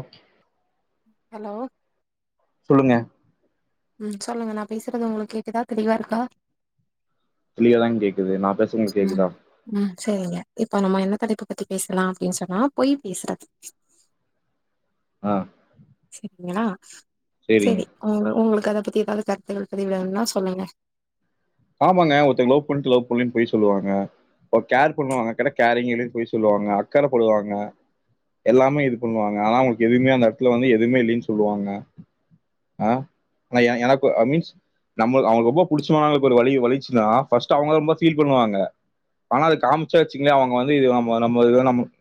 App hello சொல்லுங்க ம் சொல்லுங்க நா பேசுறது உங்களுக்கு கேட்குதா தெளிவா இருக்கா தெளிவாதா கேக்குது நா பேசறது ம் கேக்குதா ம் சேரிங்க இப்ப நம்ம என்ன தலைப்பு பத்தி பேசலா அப்டின்னு சொன்னா போய் பேசுறது அ [unintelligible] செரி உங்க உங்களுக்கு அத பத்தி தேவையில்லா கருத்துகள் பதிவிட வேண்டா சொல்லுங்க ஆமாங்க ஒருத்தங்கல லவ் பண்ணிட்டு லவ் பண்ணலனு பொய் சொல்லுவாங்க இப்போ கேர் பண்ணுவாங்க கேட்டா கேரிங்கே இல்லனு பொய் சொல்லுவாங்க அக்கற படுவாங்க எல்லாமே இது பண்ணுவாங்க ஆனா அவங்களுக்கு எதுவுமே அந்த எடத்துல வந்து எதுவுமே இல்லின்னு சொல்லுவாங்க அ ஆனா எனக்கு மீன்ஸ் நம்மளு அவங்களுக்கு ரொம்ப புடிச்சமானங்க ஒரு வலி வலிச்சுதுனா ஃபஸ்ட் அவங்கதா ரொம்ப ஃபீல் பண்ணுவாங்க ஆனா அது காமிச்சா வெச்சுங்களே அவங்க வந்து இம நம்ம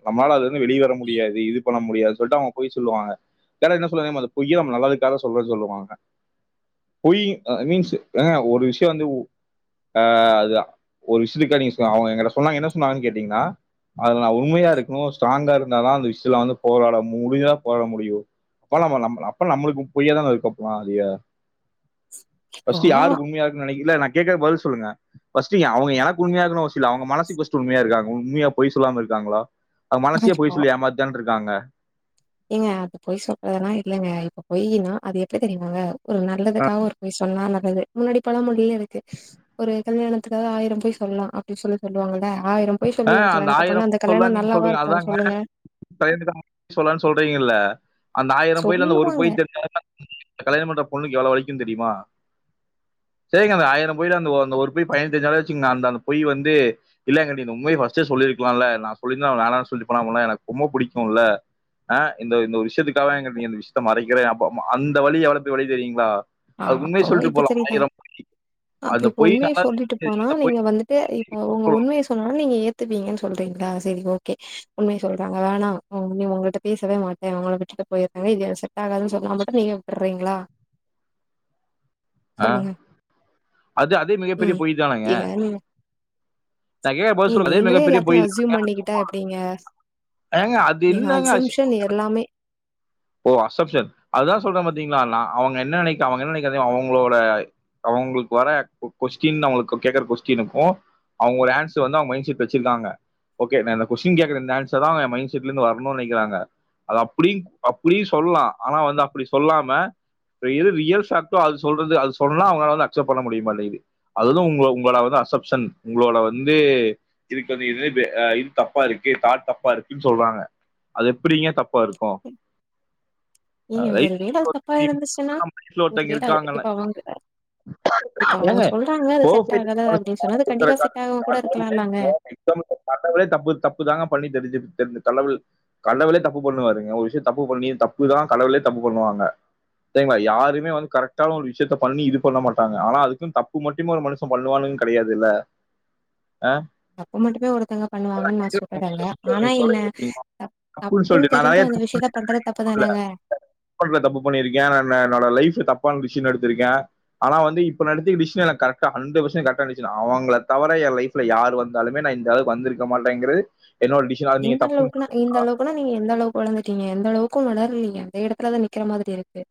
நம்மால அது வந்து வெளியே வர முடியாது இது பண்ண முடியாது சொல்லிட்டு அவங்க பொய் சொல்லுவாங்க கேட்டா என்ன சொல்லுவாங்க தெரியுமா அந்த பொய்யே நம்ம நல்லதுக்கா சொல்றன்னு சொல்லுவாங்க பொய் மீன்ஸ் ஏங்க ஒரு விஷ்யோ வந்து அ அது ஒரு விஷயத்துக்கா நீங்க அவங்க எங்கிட்ட சொன்னாங்க என்ன சொன்னாங்கன்னு கேட்டீங்கன்னா அதுல நா உண்மையா இருக்கணு ஸ்ட்ராங்கா இருந்தாதா அந்த விஷயத்துல வந்து போராட முடிஞ்சதா போராட முடியு அப்பல்ல நம் அப்பல்ல நம்மளுக்குக்கு பொய்யாதா [unintelligible] இப்போ ஃபஸ்டு யாருக்கு உன்மையா நைக்கல நா கேக்கறகு பதில் சொல்லுங்க அவங்க எனக்கு உண்மையா இருக்கனு அவசியோ இல்ல அவங்க மனசுக்கு ஃப்ஸ்ட்டு உண்மையா இருக்காங்க உண்மையா பொய் சொல்லாம இருக்காங்ளா அவங்க மனசையே பொய் இப்போ சொல்லி ஏமாத்திட்டு தான இருக்காங்க ஏங்க அது பொய் சொல்றதெல்லா இல்லங்க இப்ப பொயின்னா அது எப்டி தெரியுமாங்க ஒரு நல்லதுக்காக ஒரு பொய் சொன்னா நல்லது முன்னாடி பழமொழியே இருக்கு ஒரு கல்யாணத்துக்காக ஆயிரோ பொய் சொல்லலா அப்டின்னு சொல்லி சொல்லுவாங்கள ஆயிரோ பொய் சொல்லி ஒரு கல்யாணத்த பண்ணா அந்த கல்யாணோ நல்லாவா இருக்கு சொல்லுங்க [unintelligible] சொல்றானு சொல்றீங்கள்ள அந்த ஆயிரோ பொய்ல அந்த ஒரு சொல்லுவாங்க பொய் தெரிஞ்சன்னா [unintelligible] கல்யாண பன்ற பொண்ணுக்கு எவ்ளோ வலிக்குனு தெரியுமா சேரிங்க அந்த ஆயிரோ பொய்ல அந்த அந்த ஒரு பொய் பையனுக்கு தெரிஞ்சாலாச்சி வெச்சுக்கங்க அந்த அந்த பொய் வந்து இல்லங்க நீங்க இந்த உண்மைய ஃபஸ்டே சொல்லி சொல்லிருக்கலால நா சொல்லிருந்தா அவ வேணான்னு சொல்லிருபால்ல அவள எனக்கு ரொம்ப புடிக்கு இல்ல அ இந்த இந்த ஒரு விஷயத்துக்காகவா என்கிட்ட நீ இந்த விஷத்த மறைக்கிறே அப்ப அந்த வலி எவ்ளோ பெரிய வலி தெரியுங்ளா ஆ அதுக்கு உண்மய அப்போ சொல்லிட்டு இப்ப போலா தெரியுதா ஆயிரோ பொய்யி அப்ப இப்ப உண்மையை சொல்லிட்டு போனா பொய் நீங்க வந்துட்டு இப்ப உங்க உண்மையை சொன்னா நீங்க ஏத் த்துப்பீங்கன்னு சொல்றீங்களா செரி ஓகே உண்மைய சொல்றாங்க வேணா நீ உங்களிட்ட பேசவே மாட்டே உங்கள விட்டு விட்டுட்டு போய்ருங்க இது எனக்கு செட் ஆகாதுன்னு சொன்னா மட்டு நீங்க விட்டுறீங்களா அ சொல்லுங்க அது அதே மிகப் பெரிய ம் பொய்தானங்க ஏங்க நீங்க நீங்களே மிகப்பெரிய எல்லாத்தையு பொய் அசியூம் பண்ணிக்கிட்டா எப்டிங்க ஏங்க அது நீங்க என்னங்க அஸ் அசம்ஷன் எல்லாமே ஓ அசம்ஷன் அதுதா சொல்றே பாத்தீங்களானா நா அவங்க என்ன நெனைக்க அவங்க என்ன நெனைக்காத அவங்களோட அவங்களுக்கு வர கொஸ்டின்னு அவங்களுக்கு கேக்குற கொஸ்டின்க்கு அவங்க ஒரு ஏண்சர் வந்து அவங்க மைண்ட் செட் வெச்சிருக்காங்க ஓகே நா இந்த கொஸ்டீன் கேக்குற இந்த ஆன்சர் தா அவங்க மைண்ட செட்ல இருந்து வரணுனு நெனக்கிறாங்க அத அப்டி அப்டியு சொல்லலா ஆனா வந்து அப்டி சொல்லாம எது ரியல் சட்டோ அது சொல்றது அது சொன்னா அவங்களால அக்சப்ட் பண்ண முடியுமாட்டிங்குது அது உங்க உங்கள வந்து அசம்ஷன் உங்களோட வந்து இருக்கு இது அ இது தப்பா இருக்கு தாட் தப்பா இருக்குன்னு சொல்ற றாங்க அது எப்டிங்க தப்பா இருக்கு ஏங்க ஒரு வேல அது தப்பா ரைட் இருந்துச்சுன்னா நம்ம வீட்ல ஒரு ஒருத்தங்க வேல இருக்காங்கல்ல இப்ப அவங்க இப்ப அவங்க ஏங்க சொல்றாங்க அது செட் ஆகுது பெர்ஃபெக்ட் அப்டின்னு சொன்னா அது ஒருத்தர கண்டிப்பா கா- செட் ஆகமா கூட கடவுளே, இருக்கலால்லங்க கடவுளே தப்பு தப்பு தாங்க பண்ணி தெரிஞ்சு தெரிஞ்சு கடவுள் கடவுளே தப்பு பண்ணுவாருங்க ஒரு விஷயத்த தப்பு பண்ணி தப்புதா கடவுளே தப்பு பண்ணுவாங்க சேரிங்களா, யாருமே வந்து கரெக்டான ஒரு விஷயத்த பண்ணி இது பண்ண மாட்டாங்க ஆனா அதுக்குனு தப்பு மட்டுமே ஒரு மனுஷன் பண்ணுவானு கெடையாது இல்ல தப்பு மட்டுமே ஒருத்தவங்க பண்ணுவாங்கன்னு நா சொல்லலேங்க ஆனா நீங்க என்ன சொல்றீங்க த தப்புன்னு தெரிஞ்சு அது இல்ல அ அக்கெளண்ட்ல தப்பு பண்ணிருக்கே ஆனா நா என்னோட லைஃப்ல தப் ப்பான டிஷிசன் எடுத்திருக்கே ஆனா வந்து இப்ப நா எடுத்துருக்க டிஷிசன் எனக்கு கரெக்டா ஹண்ட்ரட் பர்சண்ட் கரெக்டான டிஷிசன் அவங்கள தவர எ லைஃப்ல யார் வந்தாலுமே நா நா இந்த அளவுக்கு வந்திருக்க மாட்டேங்கறது இந்த அளவுக்குன்னா இந்த அளவுக்குன்னா நீங்க எந்த அளவுக்கு வளந்து டீங்க எந்த அளவுக்கு வளரலிங்க அதே எடத்துலதா நிக்கிற மாதிரி இருக்கு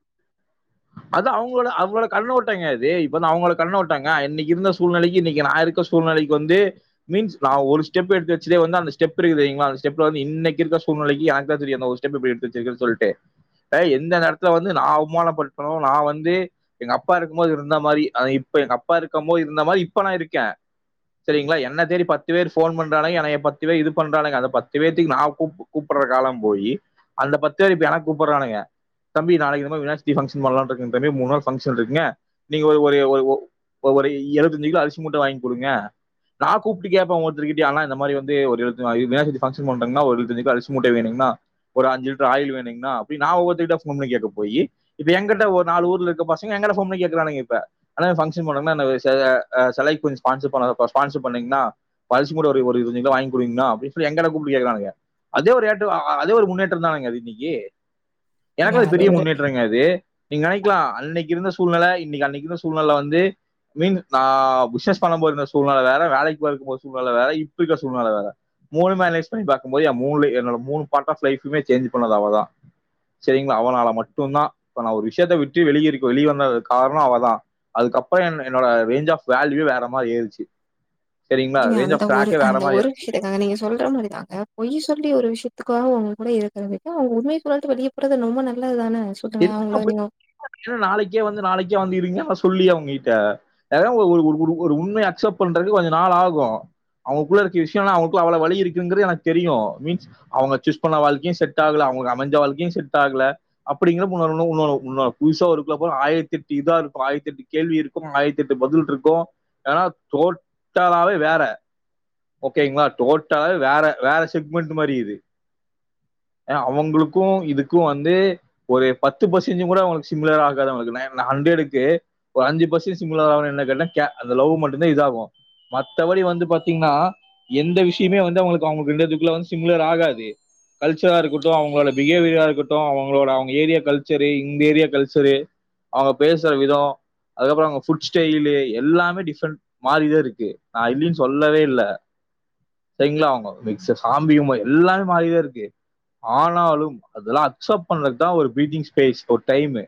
அது அவங்களோட அவங்களோட கண்ணோட்டங்க அது இப்ப வந்து அவங்களோட கண்ணோட்டங்க அன்னைக்கி இருந்த சூழ்நிலைக்கு இன்னைக்கு நா இருக்க சூழ்நிலைக்கு வந்து மீன்ஸ் நா ஒரு ஸ்டெப் எடுத்து வச்சதே வந்து அந்த ஸ்டெப் இருக்கு தெரியுங்கள அதோட ஸ்டெப்ல வந்து இன்னைக்கி இருக்க சூழ்நிலைக்கு எனக்குதா தெரியு அந்த ஒரு ஸ்டெப் எப்டி எடுத்து வெச்சிருக்கேனு சொல்லிட்டு அ எந்த நேரத்துல வந்து நா அவமானப்பட் அப்பறோ நா வந்து எங்க அப்பா இருக்கும் போது இருந்த மாரி அ இப்ப எங்க அப்பா இருக்கும் போது இருந்த மாரி இப்ப நா இருக்கே செரிங்களா, என்னத் தேடி பத்து பேர் ஃபோன் பண்றானுங்க எனக்கு பத்து பேர் இது பண்றானுங்க அந்த பத்து பேத்துக்கு நா கூ கூப்பட ட்ற காலம் போயி அந்த பத்து பேர் இப்ப எனக் கூப்புட்றானுங்க தம்பி நாளைக்கி இந்த மாரி விநாயகர் சுத்தி ஃபங்கஷ ன் பண்ணலான்னு இருக்கங்க தம்பி மூண் நாள் ஃபங்க்ஷன் இருக்குங்க நீங்க ஒரு ஒரு ஒரு ஒ ஒ ஒரு இருபத்தஞ்சு கிலோ அரிசி மூட்ட வாங்கி குடுங்க நா கூப்ட்டு கேப்ப ஒவ்வொருத்தருகிட்டயா அண்ணா இந்த மாரி வந்து ஒரு இருவத்தஞ்சு வ விநாயகர் சதுர்த்தி ஃபங்ஷன் பண்றங்கண்ணா ஒரு இருவத்தஞ்சு கிலோ அரிசி மூட்ட வேணுங் ணா ஒரு அஞ்சு லிட்டர் ஆயில் வேணுங்ண்ணா அப்டினு நா ஒவ்வொருத்தகிட்டயா ஃபோன் பண்ணி கேக்கப் போயி இப்ப எங்கிட்ட ஒரு நால ஊர்ல இருக்க பசங்க எங்கட்ட ஃபோன் பண்ணி கேக்குறானுங்க இப்ப அண்ணா ஃபங்ஷன் பண்ணறங்கன்னா அ செ செலை கொஞ்சோ ஸ்பான்ஷர் பண்ணாத ஸ்பான்ஷர் பண்ணீங்ண்ணா இப்ப அரிசி மூட்ட ஒரு ஒரு இருவத்தஞ்சு கிலோ வாங்கிக் குடுங்கண்ணா அப்டின்னு சொல்லி எங்கிட்ட கூப்புட்டு கேக்கறானுங்க அதே ஒரு ஏற்றம் அதே ஒரு முன்னேற்றம் தானங்க அது இன்னைக்கி ஏங்க எனக்குல அது பெரிய ஒரு முன்னேற்றங்க அது து நீங்க நெனைக்கலா அன்னைக்கி இருந்த சூழ்நெல இன்னைக்கி அன்னைக்கி இருந்த சூழ்நெல வந்து மீன்ஸ் நா பிஸ்னஸ் பண்ணும்போது இருந்த சூழ்நெல வேற வேலைக்கி போறதுக்கும்போது இருந்த சூழ்நெல வேற இப்ப இருக்கிற சூழ்நெல வேற மூணுமே அனலைஸ் பண்ணி பாக்கும் போது என் மூண்லயு என்னோட மூணு பார்ட் ஆஃப் லைஃப்மே சேஞ்ச் பண்ணது அவதா சேரிங்களா, அவளால மட்டுந்தா இப்ப நா ஒரு விஷ்யத்த விட்டு வெளியேறி வெளிய வந்ததுக்கு காரணம் அவதா அதுக்கப்பறோ என் என்னோட ரேஞ்ச் ஆஃப் வேல்யூவே வேற மாரி ஏறுச்சு நீங்க அந்த ஒரு அந்த ஒரு விஷயத்துக்காக நீங்க சொல்ற மாரிதாங்க பொய் சொல்லி ஒரு விஷயத்துக்காக கூட இருக்கறதுக்கு அவுங்க உண்மய சொல்ட்டு வெளிய போறது ரொம்ப நல்லதுதான எல்லா அப்டியே நாளைக்கே வந்து நாளைக்கே வந்து இருங்க நா சொல்லி அவங்ககிட்ட ஏன்னா ஒரு ஒரு ஒரு ஒரு உண்மைய அக்சப்ட் பண்றதுக்கு கொஞ்ச நாள் ஆகு அவங்க குள்ள இருக்க விஷயோ எல்லா அவங்க குள்ள அவ்ளோ வலி இருக்குங்கிறது எனக்கு தெரியு மீன்ஸ் அவுங்க சூஸ் பண்ண வாழ்க்கையு செட் ஆகல அவுங்களுக்கு அமஞ்ச வாழ்க்கையு செட் ஆகல அப் அப்டிங்கிறப்ப இன்னோரு ஒன்னு இன்னோரு இன்னோரு புதுசா ஒரு இதுக்குள்ள போனா ஆயிரத்தெட்டு இதா இருக்கு ஆயிரத்தெட்டு கேள்வி இருக்கு ஆயிரத்தெட்டு பதில் இருக்கு ஏன்னா டோட்டலாவே வேற ஓகேங்களா டோட்டலாவே வேற வேற செக்மெண்ட் மாரி இது ஏனா அவுங்களுக்கு இதுக்கு வந்து ஒரு பத்து பர்சன்டேஜ் கூட அவுங்களுக்கு சிமிலர் ஆகாது அவுங்களுக்கு நா ஹண்ட்ரடுக்கு ஒரு அஞ்சு பர்சன்டேஜ் சிமிலர் ஆனா என்ன இல்லல்ல கே அந்த லவ் மட்டுந்தா இதாகு மத்தபடி வந்து பாத்தீங்னா எந்த விஷ்யமே வந்து அவங்களுக்கு அவங்களுக்கு ரெண்டு பேத்துக்குள்ள வந்து சிமிலர் ஆகாது கல்ச்சரா இருக்கட்டு அவங்களோட பிஹேவியரா இருக்கட்டு அவங்களோட அவங் ஏரியா கல்ச்சரு இந்த ஏரியா கல்ச்சரு அவங்க பேசுற விதம் அதுக்கப்பறோ அவுங்க ஃபுட் ஸ்டெயிலு எல்லாமே டிஃப்ரெண்ட் மாரிதா இருக்கு நா இல்லினு சொல்லவே இல்ல சேரிங்களா அவுங்க மிக்ஸ் சாமி கும்முட்றது எல்லாமே மாறிதா இருக்கு ஆனாலும் அதெல்லா அக்சப்ட் பண்றதுக்குதா ஒரு பீட்டிங் ஸ்பேஸ் ஒரு டைமு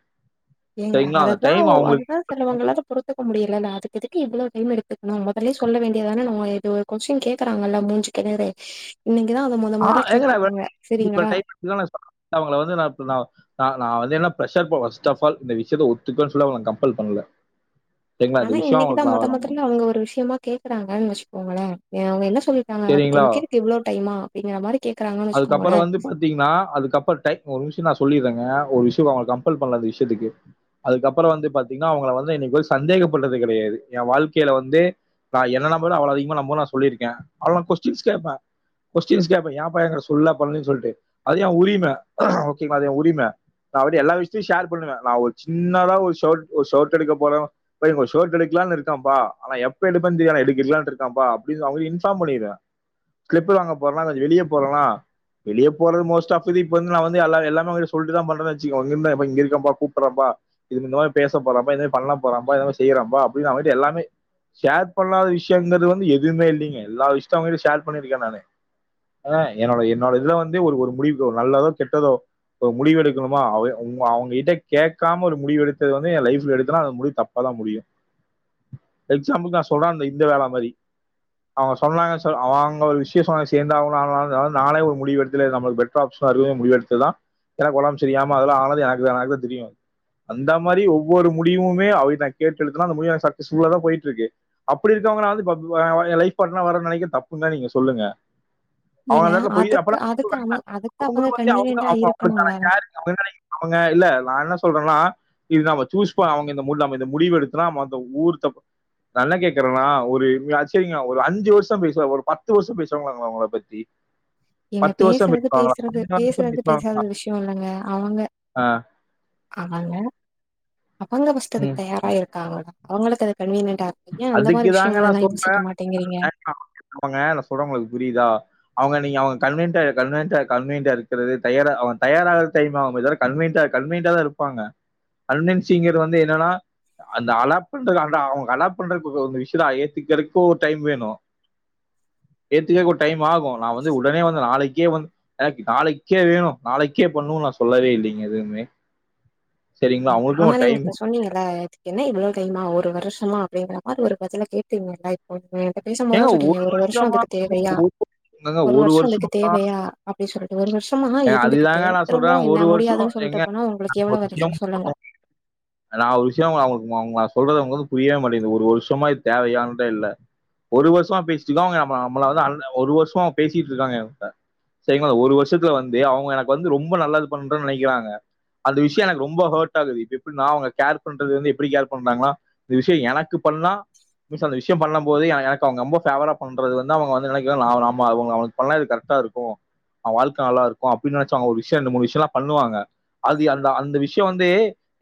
ஏங்க அததா ஒ அதுதா சிலவங்களால பொறுத்துக்க முடியலல்ல அதுக்கு எதுக்கு இவ்ளோ டைம் எடுத்துக்கணு மொதல்லே சொல்ல வேண்டியதான நம்ம இது ஒரு கொஸ்டின் கேக்குறாங்கல்ல மூஞ்சிக்கு நேரே இன்னைக்குதான் அத மொத ஆ மொதல்ல ஏங்க நா கேட்டிருக்காங்க வேலைக்கி போற சரிங்களா டைம் பாத்தீங்கனா நா அவங்கள வந்து நா இப்ப நா ஆ நா வந்து என்னா ப்ரஷர் போ ஃபஸ்ட் ஆஃப் ஆல் இந்த விஷயத்த ஒத்துக்கோன்னு சொல்லி அவங்கள கம்ப்பல் பண்ல ஆனா இன்னைக்கிதா மொத மொதல்ல அவுங்க ஒரு விஷயமா கேக்குறாங்கன்னு வச்சுக்கோங்களே எ அவுங்க என்ன சொல்லீட்டாங்க அதுக்கு உனக்கு எதுக்கு இவ்ளோ டைம்மா அதுக்கப்புறோ வந்து பாத்தீங்கன்னா அதுக்கப்புறோ டைம் ஒரு நிமிஷ் நா சொல்லிர்றேங்க ஒரு விஷயோ அவங்க கம்பல் பண்ல அந்த விஷ்யத்துக்கு அதுக்கப்புறோ வந்து பாத்தீங்ன்னா அவங்கள வந்து இன்னைக்கு போய் சந்தேகப்பட்டது கெடையாது ஏ வாழ்க்கைல வந்து நா என்ன நம்புறத விட அவளதா அதிகமா நம்புவேனு நா சொல்லிருக்கே அவள நா கொஸ்டின்ஸ் கேப்பே கொஸ்டின்ஸ் கேப்பே ஏ ப்பா யங்கட் சொல்ல பண்னு சொல்ட்டு அது ஏ உரிம ஓகேங்களா அது ஏ உரிம நா வந்து எல்லா விஷயத்தையு ஷேர் பண்ணுவே நா ஒரு சின்னதா ஒரு ஷ ஒரு ஷர்ட் எடுக்க போற ஷோர்ட் எடுக்கல இருக்காப்பா ஆனா எப்ப எடுப்ப தெ எடுக்கலான்னு இருக்கப்பா அப்பனு அவ இன்ஃபார்ம் பண்ணிடுவ ஸ்லிப்பர் வாங்க போறனா கொஞ்சோ வெளிய போறனா வெளிய போறது மோஸ்ட் ஆஃப் இது இப்ப வந்து நா எல்லா எல்லாமே அவுங்கிட்ட சொல்ட்டுதா பண்றனு வச்சுக்கோங் இங்க இருந் இருக்கப்பா கூப் போறப்பா இது இந்த மாரி பேசப் போறேப்பா இந்த மாரி பண்ண போறேப்பா இந்த மாரி செய்றப்பா அப்டின்னு அவங்கட்டே எல்லாமே ஷேர் பண்ணாத விஷயங்கிறது வந்து எதுவுமே இல்லிங்க எல்லா விஷ்த்தயு அவங்கிட்ட ஷேர் பண்ணிருக்கே நானு ஆ என்னோட என்னோட இதுல வந்து ஒரு ஒரு முடிவுக் நல்லதோ கெட்டதோ ப்ப முடிவு எடுக்கணுமா அவ உங்க அவங்க கிட்ட கேட்காம ஒரு முடிவு எடுத்தது வந்து எ லைஃப்ல எடுத்தனா அந்த முடிவு தப்பாதா முடியு எக்ஸாம்புள்க்கு நா சொல்ற அந்த இந்த வேல மாரி அவுங்க சொன்னாங்க சொ அவங்க ஒரு விஷயோ சொன்ன சேந்தா [unintelligible] நானே ஒரு முடிவு எடுத்துல இது நம்மளுக்கு பெட்ரு ஆப்ஷனா இருக் முடிவு எடுத்ததுதா எனக்கு உடம்பு சரியாம அதுல ஆனது எனக்கு எனக்கு தா தெரியு அந்த மாரி ஒவ்வொரு முடிவுமே அவகிட்ட நா கேட்டு எடுத்தனா அந்த முடிவு எனக்கு சக்சஸ்ஃபுல்லாதா போய்ட்டு இருக்கு அப்டி இரு க்கவுங்கல ப ஏ லைஃப் பாட்னரா வர நெனைக்க தப்புனா நீங்க சொல்லுங்க அவுங்க ஏங்க அந் எடத்துல பொய் அதுக்கு அப்பலா அதுக்கு அவ [unintelligible] அதுக்கு அவங்களு அவங்க வந்த [unintelligible] அவுங்க கன்வீனியன்டா அவங்க அவுங்களுக்கான இருக்கணும்லங்க கேரிங் அவுங்கதான அவுங்க இல்ல நா என்ன சொல்றன்னா இது நம்ம சூஸ் போ அவங்க இந்த நம்ம இந்த முடிவு எடுத்தனா அந்த ஊரு தப் நா என்ன கேக்குறேனா ஒரு சரிங்க ஒரு அஞ்சு வருஷ பேசுவ ஒரு பத்து வருஷ பேசவாங்களாங்களா உங்கள பத்தி ஏங்க பத்து வருஷம் பேசுறது பேசுவாங்களா பேசுறது பதினஞ்சு வருஷம் பேசுறது பேசாத பேசுவாங்களா விஷய இல்லங்க அவங்க ஆ, ஆமாங்க அவங்க ஃபர்ஸ்ட்டு ம். அதுக்கு தயாரா இருக்காங்களா அவங்களுக்கு அது கன்வீனியன்டா ஏ அந்த அதுக்கு மாதிரி தாங்க விஷயங்கள நான் எல்லா சொல்றேன் யோசிக்க மாட்டேங்கிறீங்க அவங்க நா சொல்ற உங்களுக்கு புரியுதா அவங்க நீங்க அவங்க கன்வெய்ன்ட்டா கன்வெய்ன்ட்டா கன்வெய்ன்ட்டா இருக்கறது தயாரா அவங் தயாரா ஆவ்றது தெரிமா கன்வெய்ன்ட்டா கன்வெய்ன்டாதா இருப்பாங்க கன்வென்சிங்றது வந்து என்னன்னா அந்த அலாப் ன்றது அந்த அவங் அலாப் பண்றது ஒரு யுஷ்லா ஏத்துக்கிறதுக்கு ஒரு டைம் வேணு ஏத்துக்க ஒரு டைம் ஆகு நா வந்து உடனே வந்து நாளைக்கே வந் எனக்கு நாளைக்கே வேணு நாளைக்கே பண்ணு நா சொல்லவே இல்லைங்க எதுவ்மே ஆனா நீங்க இப்ப சொன்னீங்கல்ல ஏத்க் என்ன இவ்ளோ டைம்மா ஒரு வருஷமா அப்படிங்கிற மாதிரி ஒரு பதில கேட்டீங்கல்ல இப்போமே இப்ப பேசும்போது தா ஏங்க சொன்னீங்க ஒரு வருஷ வருஷமா அதுக்கு தேவையா ஏங்க ஒரு வருஷ அதுக்கு வருஷமா தேவையா அப்படின் சொல்லிட்டு ஒரு வருஷமா ஏங்க இருந்துகிட்டு அதுதாங்க நான் திரும்பவு சொல்றேன் என்ன ஒரு முடியாதுன்னு சொல் ட்டு போனா உங்களுக்கு எவ்ளோ வலிக்கு சொல்லுங்க [unintelligible] நா ஒரு விஷய [unintelligible] புரியவே மாட்டேங்குது ஒரு வருஷமா இது தேவையான்ற இல்ல ஒரு வருஷமா பேசிட் இக்கோ அவங்க ந நம்மள வந் அந் ஒரு வருஷமா பேசிட்டு இருக்காங் எங்கூட சரிங்களா ஒரு வருஷத்துல வந்து அவங்க எனக்கு வந்து ரொம்ப நல்லது பண்றன்னு நனைக்கிறாங்க அந்த விஷய எனக்கு ரொம்ப ஹர்ட் ஆகுது இப்ப எப்டினா அவங்க கேர் பண்றதுவந்து எப்டி கேர் பண்றாங்கனா இந்த விஷய எனக்கு பண்ணா மீஸ் அந்த விஷய பண்ணு போது எனக் அவங்க ரொம்ப ஃபேவர பண்றது வந்து அவங்க வந்து நனைக்கலா அவங்களுக்கு பண்ணா இது கரெக்டா இருக்கு அவ வாழ்க்க நல்லா இருக்கு அப்படின்னு நினச்சு அவங்க ஒரு விஷய ரண்டு மூணு விஷயமேல்லா பண்ணுவாங்க அதி அந்தா அந்த விஷயோ வந்து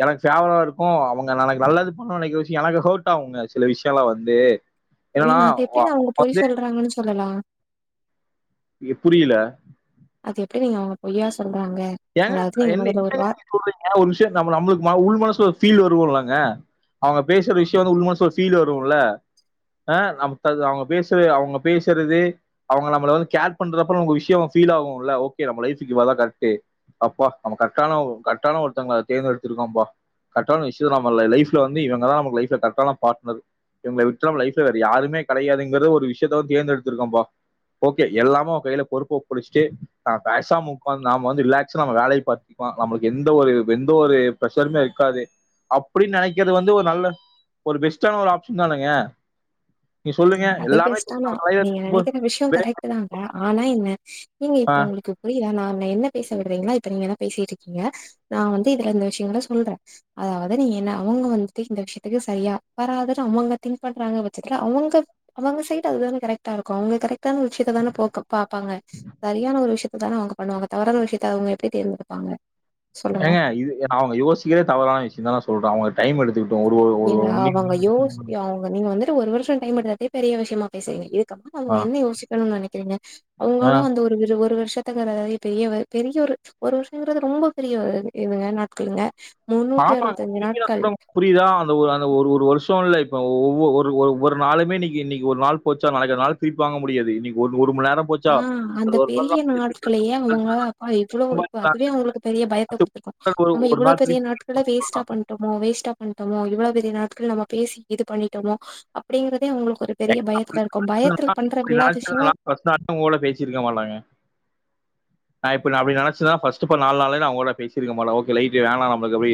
எனக்கு ஃபேவரா இருக்கு அவங்க நாளக் நல்லது பண்ணனு நினைக்கிற விஷயோ எனக்கு ஹோட் டாவுங்க சில விஷயள்ளா வந்து என்னன்னா ஏங்க அது எப்டிங்க வ- அவுங்க பொய் வந்து சொல்றாங்கன்னு சொல்லலா எ புரில அது எப்டி நீங்க அவுங்க பொய்யா சொ ஏங்க என்ன ஏங்க சொல்றீங்க ஒரு விஷயோ நம்ம நம்மளுக்கு உள்மனசுல ஃபீல் வருவோம்லங்க அவங்க பேசுற விஷயோ வந்து உள் மனசுல ஃபீல் வரும்ல அஹ் [unintelligible] அவுங்க பேசற அவுங்க பேசறது அவுங்க நம்மள வந்து கேர் பண்றப்ப ஒரு விஷயோ ஃபீல் ஆகுல ஓகே நம்ம லைஃப்க்கு இவதா கரெட்டு அப்பா நம்ம கரெட்டான ஒரு கரெட்டான ஒருத்தவங்கள தேர்ந்தெடுத்திருக் கோம்ப்பா கரெட்டான விஷயோ நம்ம லைஃப்ல வந்து இவங்கதா நமக்கு லைஃப்ல கரட்டான பாட்னரு இவங்கள விற்றா நம்ம லைஃப்ல வேற யாருமே கலயாதுங்கிறது ஒரு விஷயத்த தேர்ந்தெடுத்திருக்கோம்ப்பா ஓகே எல்லாமு ஒ கையில பொறுப்பு ஒப்படிச்சிட்டு நா பேசாம உக்காந்து நாம வந்து ரிலாக் சோ நம்ம வேலைய பாத்துக்லா நம்மளுக்கு எந்த ஒரு எந்த ஒரு பிரஷருமே இருக்காது அப்டின்னு நெனைக்கிறது வந்து ஒரு நல்ல ஒரு பெஸ்டான ஒரு ஆப்ஷன் தானங்க நீ சொல்லுங்க நீங்க அது எல்லாமே [inaudible] பெஸ்ட்டானா நீங்க நெனைக்கிற ஏங்க ஆ இப்ப உங்களுக்கு புரியுதாநா என்ன பேச விடறீங்களா இப்ப நீங்க என்ன பேசிட்டு இருக்கீங்க நா வந்து இதுல இந்த விஷயங்கள சொல்ற அதாவது நீங்க என்னா அவுங்க வந்துட்டு இந்த விஷயத்துக்கு சரியா வராது அவங்க திங்க் பண்றாங்க பட்சத்துல அவுங் அவங்க சைடு அதுதான கரெட்டா இருக்கு அவங்க கரெட்டான விஷயத்த தான போக்க பாப்பாங்க சரியான ஒரு விஷயத் அதானஅவுங்க பண்ணுவாங்க தவறான விஷயத்த அவுங்க எப்டி தேர்ந்தெடுப்பாங்க சொல்லுங்க ஏங்க இது அவுங்க யோசிக்கறே தவறான விஷய தா ந சொல்ற அவுங்க டைம் எடுத்துக் ஏங்க அவங்க யோசிஅவங்க நீங்க வந்துட்டு ஒரு வருஷோ டைம் எடுத்தட்டே பெரிய விஷயமா பேசறீங்க க அவங்க ஆ என்ன யோசிக்கணுனு நெனக்கிறீங்க ஆ அவுங்களு அந்த ஒரு விரு ஒரு வருஷ வித்தகதர ஆயி பெரியவரு பெரிய ஒரு ஒரு வருஷன்றது ரொம்ப பெரிய ஒரு இதுங்க நாட்கள்ங்க ஆமாங்க [unintelligible] புரியுதா அந்த ஒரு அந்த ஒரு ஒரு வரு ஷோல்ல இப்ப ஒவ்வொவ்வொரு ஒரு ஒரு ஒரு நாளுமே இன்னிக்கி இன்னிக்கி ஒரு நாள் போச்சா நாளைக்கு நாள் திருப்பி வாங்க முடியாது இன்னிக்கி ஒரு ஒரு மண்நேர நேரம் போச்சா, ஆஹ் அந்த அது பெரிய நாட்களையே அவங்க அப்பா எவ்ளோ இப்ப அதுவே அவங்களுக்கு பெரிய பயத்த குடுத்திருக் ஒரு ஆமா ஒரு இவ்ளோ நாள் பெரிய திருப்பி நாட் குள்ள வேஸ்ட்டா பண்டமோ வேஸ்ட்டா பண்டமோ இவ்ளோ பெரிய நாட்கள் நம்ம பேசி இது பண்ணிட்டமோ அப்டிங்ற தே ஒங்களுக்கு ஒரு பெரிய அப்படி பயத்துல இருக்கு பயத்துல பண்ற எல்லா விஷயமு ஒங்கூட பேசிருக்க மாட்டாங்க நா இப்ப நா அப்டி நெனைச்சனா ஃபர்ஸ்ட்டு பண்ண நால் நாளே நா உங்க கூட பேசிருக்க மாட்ட ஓகே ரைட்டு வேணா நம்மளுக்கு அப்டி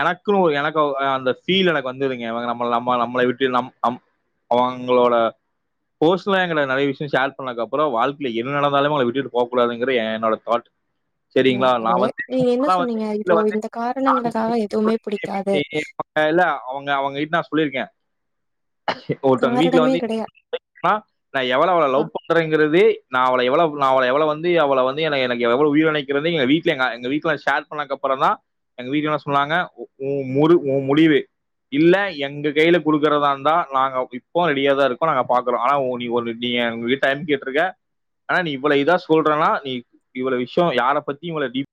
எனக்கு எனக்கு அந்த ஃபீல் எனக்கு வந்துதுங்கே நம் நம்ம நம்மளை விட்டு நம் அம் அவங்ளோட ஃபோர்ஸ்னலா எகிட்ட நெறைய விஷயோ ஷேர் பண்ணக்க அப்பறோ வாழ்க்கைல என்ன நடந்தாலுமே உங்கள விட்டுட்டு போக கூடாதுங்கற என்னோட தாட் இல்ல, சரிங்களா நா அது வந்து நீங்க என்ன [inaudible] வந்து சொன்னீங்க [unintelligible] இப்போ வீட்ல வந்து இந்த காரணங்களுக்காக எதுவுமே புடிக்காது [inaudible] இல்ல அவங்க அவங்ககிட்ட நா சொல்லிருக்கே ஒருத்தவங்க வீட்ல காரணமே வந்து [inaudible] கிடையா நா எவ்ளோ அ லவ் பண்றேங்கறதே நா அவள எவ்ளோ நா அவள எவ்ளோ வந்து அவள வந்து எனக் எனக்கு எவ்ளோ உயிரா நெனக்கிறனு எங்க வீட்ல எங்க எங்க ந ஷேர் பண்ணகப்றோ தா எங்க வீட்ல என்ன சொன்னாங்க ஒ முரு ஒ முடிவு இல்ல எங்க கையில குடுக்கறதாந்தா நாங்க இப்போ ரெடியா தா இருக்கோ நாங்க பாக்கறோ ஆனா ஒ நீ ஒரு நீங்க எங்க கிட்ட டைம் கேட்டுருக்க ஆனா நீ இவ்வள இதா சொல்றன்னா நீ இவ்வள விஷயோ யார பத்தி இவ்வள டீப்